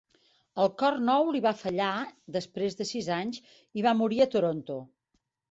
El cor nou li va fallar després de sis anys i va morir a Toronto.